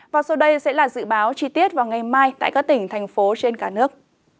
và sau đây sẽ là dự báo chi tiết vào ngày mai tại các tỉnh thành phố trên cả nước